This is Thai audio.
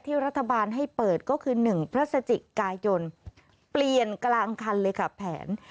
รัฐบาลให้เปิดก็คือ๑พฤศจิกายนเปลี่ยนกลางคันเลยค่ะแผน